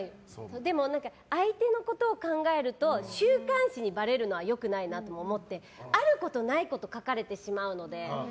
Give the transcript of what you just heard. でも、相手のことを考えると週刊誌にばれるのはよくないなと思ってあることないこと書かれてしまうので。